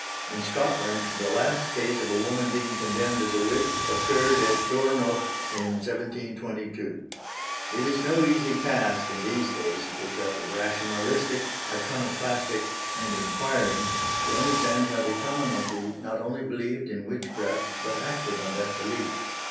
In Scotland the last case of a woman being condemned as a witch occurred at Dornoch in 1722. It is no easy task in these days, which are rationalistic, iconoclastic and enquiring, to understand how the commonalty not only believed in witchcraft but acted on that belief.